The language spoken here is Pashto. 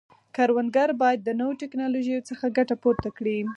کروندګر باید د نوو ټکنالوژیو څخه ګټه پورته کړي.